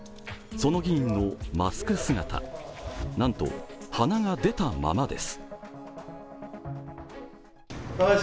その議員のマスク姿、なんと鼻が出たままです。